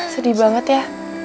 sedih banget ya